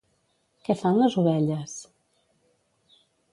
Què fan les ovelles?